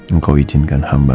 engkau izinkan hamba